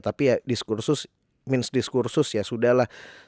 tapi ya diskursus means discursus ya sudah lah